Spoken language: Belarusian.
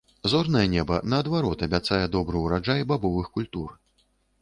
Зорнае неба, наадварот, абяцае добры ўраджай бабовых культур.